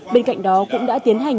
bên cạnh đó cũng đã tiến hành